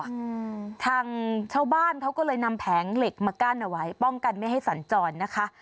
อืมทางชาวบ้านเขาก็เลยนำแผงเหล็กมากั้นเอาไว้ป้องกันไม่ให้สัญจรนะคะ